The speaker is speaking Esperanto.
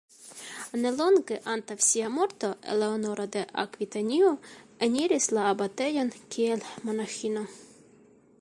Ne longe antaŭ sia morto Eleonora de Akvitanio eniris la abatejon kiel monaĥino.